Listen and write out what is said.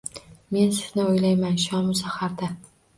Men sizni o’ylayman shomu saharda